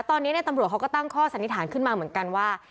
ตอนนี้ตำรวจเขาก็ตั้งข้อสันนิษฐานขึ้นมาเหมือนกันว่า